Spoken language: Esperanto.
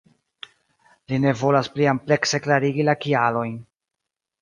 Li ne volas pli amplekse klarigi la kialojn.